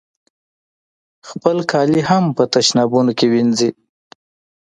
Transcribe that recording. خپل کالي هم په تشنابونو کې وینځي.